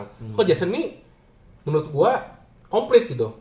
kok jason ini menurut gue komplit gitu